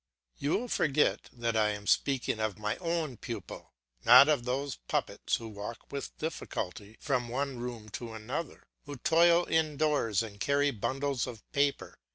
You forget that I am speaking of my own pupil, not of those puppets who walk with difficulty from one room to another, who toil indoors and carry bundles of paper.